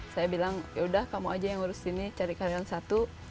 saya bilang ya udah kamu aja yang urusin ini cari karyawan satu